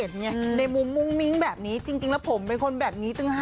อืมไม่แน่ใจครับ